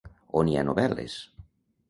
On hi ha novel·les?